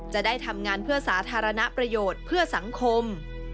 จะได้ทำงานเพื่อสาธารณประโยชน์เพื่อสังคม